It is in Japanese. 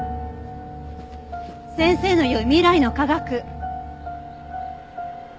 先生の言う未来の科学。